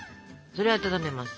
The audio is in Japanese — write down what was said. それを温めます。